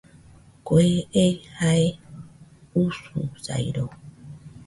Kue ei jae ususairo